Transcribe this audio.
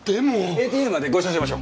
ＡＴＭまでご一緒しましょう。